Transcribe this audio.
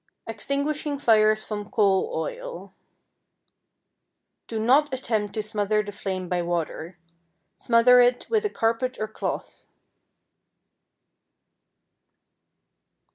=Extinguishing Fires from Coal Oil.= Do not attempt to smother the flame by water. Smother it with a carpet or cloth.